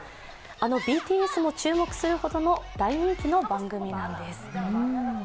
あのＢＴＳも注目するほどの大人気の番組なんです。